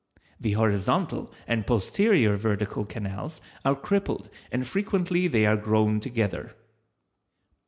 The horizontal and posterior vertical canals are crippled and frequently they are grown together.